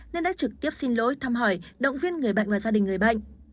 nên đã trực tiếp xin lỗi thăm hỏi động viên người bệnh và gia đình người bệnh